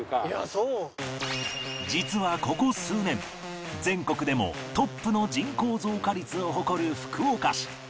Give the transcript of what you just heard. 実はここ数年全国でもトップの人口増加率を誇る福岡市